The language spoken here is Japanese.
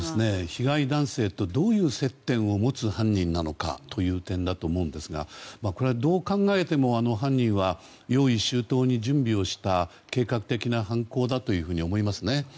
被害男性とどういう接点を持つ犯人なのかという点だと思いますがこれはどう考えても犯人は用意周到に準備をした計画的な犯行だと思いますね。